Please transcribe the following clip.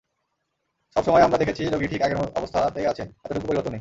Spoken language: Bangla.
সব সময়েই আমরা দেখেছি রোগী ঠিক আগের অবস্থাতেই আছেন, এতটুকু পরিবর্তন নেই।